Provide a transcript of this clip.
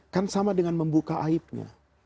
kan sama dengan membuka aibnya